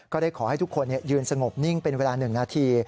ก็ได้ขอให้ทุกคนยืนสงบนิ่งเป็นเวลา๑นาที